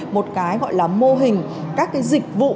một cái gọi là mô hình các cái dịch vụ